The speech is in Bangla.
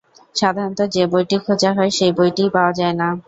সাধারণত যে-বইটি খোঁজা হয়, সে বইটিই পাওয়া যায় না।